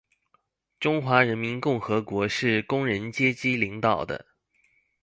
中华人民共和国是工人阶级领导的